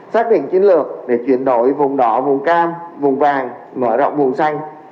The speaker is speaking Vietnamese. xác định chiến lược để chuyển đổi vùng đỏ vùng cam vùng vàng mở rộng vùng xanh